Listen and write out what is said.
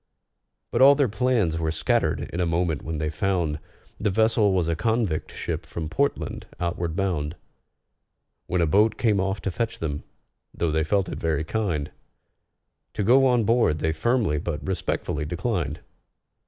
But all their plans were scattered in a moment when they found The vessel was a convict ship from Portland, outward bound; When a boat came off to fetch them, though they felt it very kind, To go on board they firmly but respectfully declined.